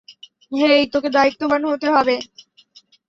হেই, তোকে দায়িত্ববান হতে হবে।